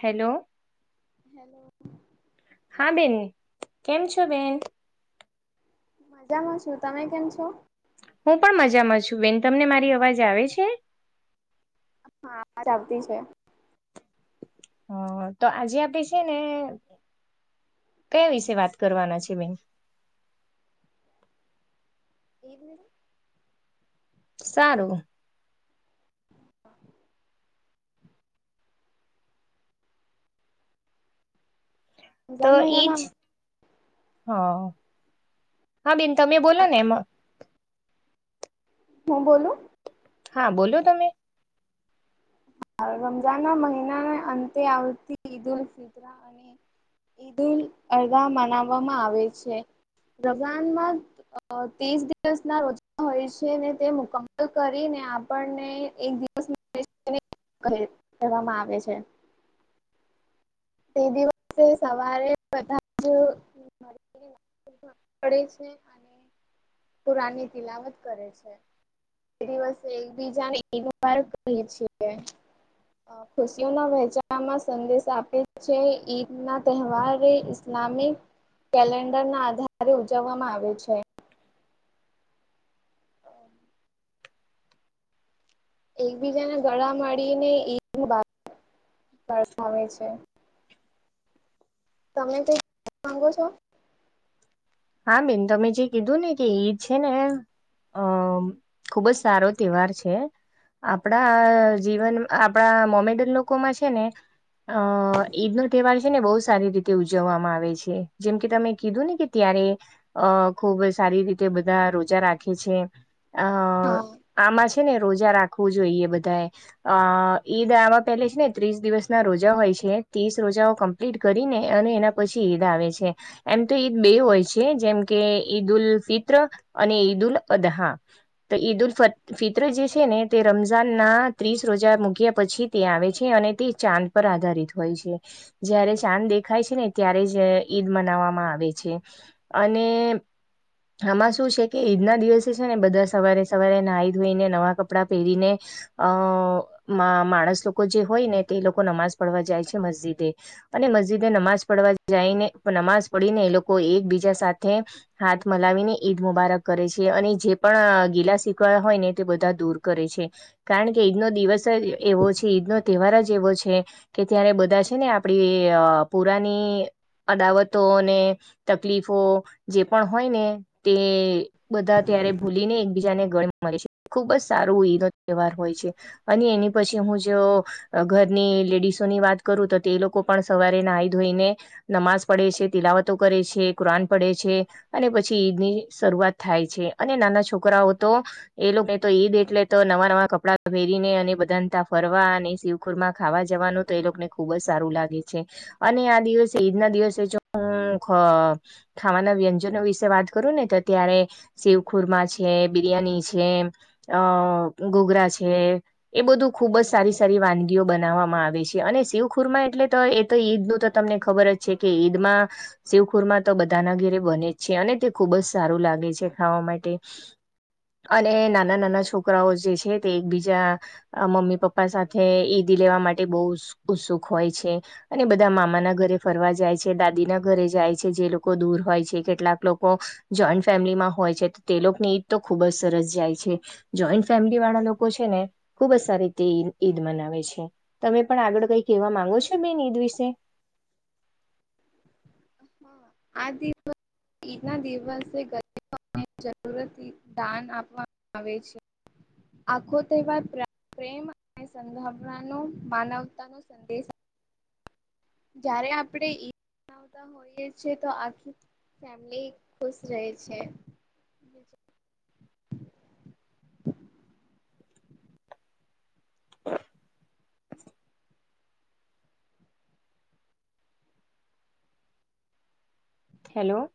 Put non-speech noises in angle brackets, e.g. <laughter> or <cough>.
Hello hello હા, બેન કેમ છો બેન? મજામાં છું, તમે કેમ છો? હું પણ મજામાં છું બેન, તમને મારી અવાજ આવે છે? હા, અવાજ આવતી છે. હ, તો આજે આપે સે ને, કયા વિશે વાત કરવાના છે, બેન એવું સારું તો રમઝાન ઇજ, મહિનાના હ.. હા, બેન તમે બોલોને એમાં હું બોલું? હા, બોલો તમે અ.. રમજાના મહિનાને અંતે આવતી ઈદો <unintelligible> અને ઈદો, અગા મનાવવામાં આવે છે, રઝાનમાં અ તીસ દિવસના રોજ હોય છે, ને તે મુકમલ કરીને આપણને એક દિવસ ની કહે, કેવામાં આવે છે. તે દિવસે સવારે બધા જ પડે છે અને પુરાની તિલાવત કરે છે. એ દિવસે એકબીજાને ઇદ મુબારક કહીએ છીએ. અ ખુશીઓના વહેંચાણમાં સંદેશ આપે છે, ઈદના તહેવારે ઇસલામિક કેલેન્ડરના આધારે ઉજવવામાં છે. એકબીજાને ગળા મળીને, ઇદ મુબારક કરતા હોય છે. તમે કંઈક માગો છો? હા, બેન તમે જે કીધું ને કે ઈદ છે ને અ.. ખૂબ જ સારો તહેવાર છે, આપણા જીવન આપણા મોમેડન લોકોમાં છે ને અ.. ઈદ નો તહેવાર છે ને, બહુ સારી રીતે ઉજવવામાં આવે છે, જેમ કે તમે કીધું ને કે ત્યારે- અ ખુબ સારી રીતે બધા રોજા રાખે છે. અ હા આમાં છે ને, રોજા રાખવું જોઈએ, બધાએ અ ઈદ આવા પેલે છે ને ત્રીસ દિવસ ના રોજા હોય છે, ત્રીસ રોજાઓ ક પ્ટ કરીને અને એના પછી ઈદ આવે છે, એમ તો ઈદ બે હોય છે. એ જેમ કે ઈદ-ઉલ-ફિત્ર અને ઈદ-ઉલ-અદ હા તો ઈદ-ઉલ-ફ, ફિત્ર જે છે ને, તે રમઝાન ના ત્રીસ રોજા મૂક્યા પછી તે આવે છે અને તે ચાંદ પર આધારિત હોય છે. જયારે ચાંદ દેખાય છે ને, ત્યારે જ ઈદ મનાવવામાં આવે છે. અને આમાં શું છે કે, ઈદના દિવસે છે ને બધા સવારે-સવારે નાઈ ધોઈને નવા કપડાં પહેરીને અ.. મા, માણસ લોકો જે હોય ને તે લોકો નમાજ પઢવા જાય છે, મસ્જિદે અને મસ્જિદએ નમાજ પડવા જઈને નમાજ પડીને એ લોકો એકબીજા સાથે હાથ મલાવીને ઈદ મુબારક કરે છે. અને જે પણ ગીલા શીખવા હોય ને તે બધા દૂર કરે છે. કારણ કે ઈદનો દિવસ જ એવો છે, ઈદ નો તહેવાર જ એવો છે. કે ત્યારે બધા છે ને આપડી પુરાની અદાવતોને તકલીફ ફો જે પણ હોય ને તે બધા ત્યારે ભૂલી ને બીજાને ગણ મે છે. ખુબ જ સારું ઈનો તહેવાર હોય છે. અને એની પછી હું જો અ ઘરની લેડીસોની વાત કરું તો તે લોકો પણ સવારે નાઈ ધોઈને નમાજ પડે છે, તિલાવતો કરે છે. કુરાન પડે છે. અને પછી ઈદની શરૂઆત થાય છે. અને નાના છોકરાઓ તો એ લોકો તો ઈદ એટલે તો નવા નવા કપડાં પહેરીને અને બધાને તા ફરવા અને શિવ ખુરમાં ખાવા જવાનું તો એ લોકોને ખુબ જ સારું લાગે છે. અને આ દિવસે ઈદ ના દિવસે જો હમ ખાવાના વ્યંજનો વિશે વાત કરું ને તો ત્યારે શીવખુરમા છે, બિરિયાની છે, અ ગોગરા છે. એ બધું ખુબ જ સારી સારી વાનગીઓ બનાવવામાં આવે છે. અને શિવખુરમાં એટલે તો એ તો ઈદનું તો તમને ખબર જ છે કે ઈદમાં શિવખુરમાં તો બધાના ઘેરે બને જ છે. અને તે ખુબ જ સારું લાગે છે ખાવા માટે. અને નાના નાના છોકરાઓ જે છે તે એકબીજા અ મમ્મી પપ્પા સાથે ઈદ લેવા માટે બહુ ઉત્સુક હોય છે. અને બધા મામાના ઘરે ફરવા જાય છે, દાદી ના ઘરે જાય છે જે લોક કો દૂર હોય છે. કેટલાક લોકો જોઈન્ટ ફેમિલીમાં હોય છે તો તે લોકોની ઈદ તો ખુબ જ સરસ જાય છે. જોઈન્ટ ફેમિલીવાળા લોકો છે ને ખુબ જ સારી રીતે ઇદ ઈદ મનાવે છે. તમે પણ આગળ કઈ કેવા માંગો છો બેન ઈદ વિશે? હહ આ દિવસ ઇદના દિવસ <inaudible> ને જરૂરત દાન આપવામાં આવે છે. આખો તહેવાર પ્રેમ અને સંભાવનાનો માનવતાનો સંદેશ જયારે આપડે ઇદ <inaudible> કરતા હોઈએ છે તો આખી ફેમલી ખુશ રહે છે. હમ હેલો